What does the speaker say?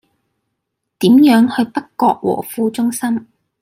點樣去北角和富中心